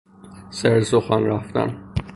سر سخن رفتن